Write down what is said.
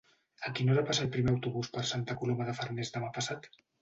A quina hora passa el primer autobús per Santa Coloma de Farners demà passat?